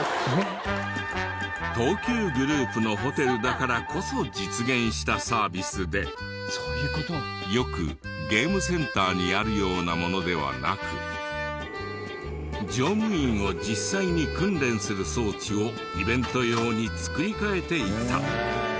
東急グループのホテルだからこそ実現したサービスでよくゲームセンターにあるようなものではなく乗務員を実際に訓練する装置をイベント用に作り替えていた。